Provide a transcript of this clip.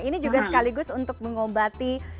ini juga sekaligus untuk mengobati apa ya